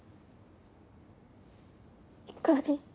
ひかり。